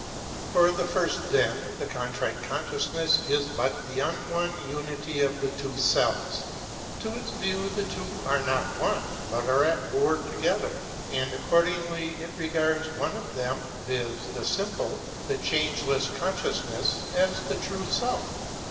For the first then, the Contrite Consciousness is but the un won unity of the two selves. To its view the two are not one, but are at war together. And accordingly it regards one of them, viz., the simple, the Changeless Consciousness, as the True Self.